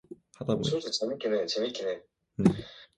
그 사람이 미리 알면 다 틀릴 테니 명심들 허게.